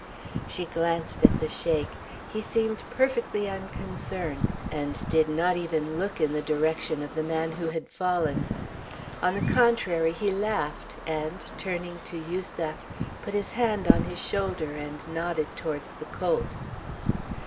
She glanced at the Sheik. He seemed perfectly unconcerned and did not even look in the direction of the man who had fallen. On the contrary, he laughed, and, turning to Yusef, put his hand en his shoulder and nodded towards the colt.